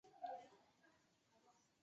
于日本静冈县出生与成长。